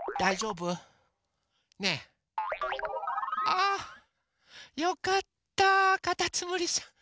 あよかったかたつむりさん。